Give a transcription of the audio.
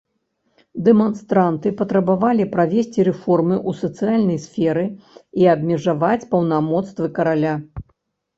Дэманстранты патрабавалі правесці рэформы ў сацыяльнай сферы і абмежаваць паўнамоцтвы караля.